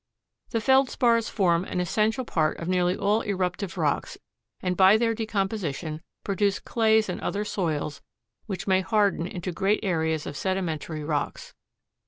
The Feldspars form an essential part of nearly all eruptive rocks and by their decomposition produce clays and other soils which may harden into great areas of sedimentary rocks.